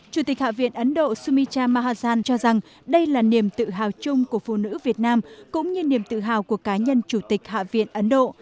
chủ tịch hạ viện ấn độ sumicha mahathan cho rằng đây là niềm tự hào chung của phụ nữ việt nam cũng như niềm tự hào của cá nhân chủ tịch hạ viện ấn độ